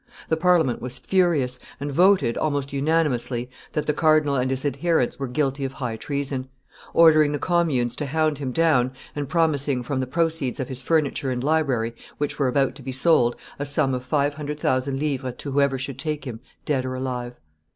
The Parliament was furious, and voted, almost unanimously, that the cardinal and his adherents were guilty of high treason; ordering the communes to hound him down, and promising, from the proceeds of his furniture and library which were about to be sold, a sum of five hundred thousand livres to whoever should take him dead or alive.